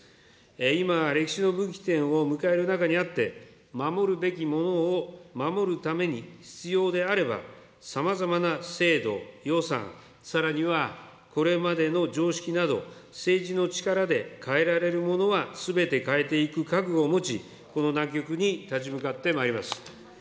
今、歴史の分岐点を迎える中にあって、守るべきものを守るために、必要であれば、さまざまな制度、予算、さらにはこれまでの常識など、政治の力で変えられるものはすべて変えていく覚悟を持ち、この難局に立ち向かってまいります。